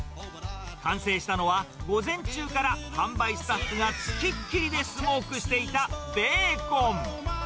完成したのは、午前中から販売スタッフが付きっきりでスモークしていたベーコン。